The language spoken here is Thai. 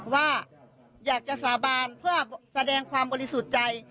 ว่าอยากจะสาบานเพื่อแสดงความบริสุทธิ์ใจ